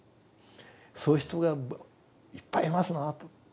そういう人がいっぱいいますなぁ」と。